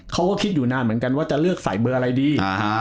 เขาก็คิดอยู่นานเหมือนกันว่าจะเลือกใส่เบอร์อะไรดี